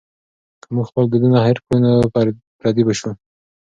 که موږ خپل دودونه هېر کړو نو پردي به شو.